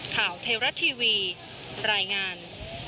ข่าวไทยรัฐทีวีรายงาน